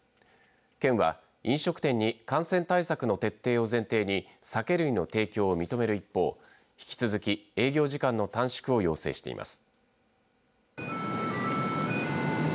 県は飲食店に感染対策の徹底を前提に酒類の提供を認める一方引き続き、営業時間の短縮を要請しています。